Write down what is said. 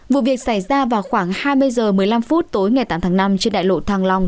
vụ việc xảy ra vào khoảng hai mươi h một mươi năm phút tối ngày tám tháng năm trên đại lộ thăng long